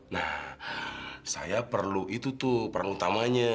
nah saya perlu itu tuh peran utamanya